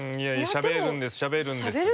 しゃべるんです！